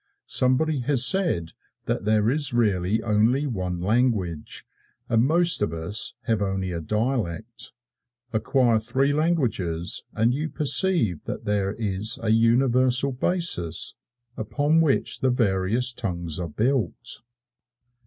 Somebody has said that there is really only one language, and most of us have only a dialect. Acquire three languages and you perceive that there is a universal basis upon which the various tongues are built.